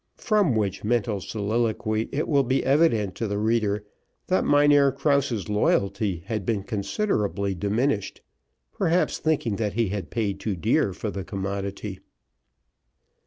From which mental soliloquy, it will be evident to the reader, that Mynheer Krause's loyalty had been considerably diminished, perhaps thinking that he had paid too dear for the commodity.